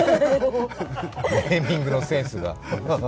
ネーミングのセンスが。